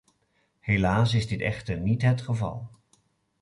Helaas is dit echter niet het geval.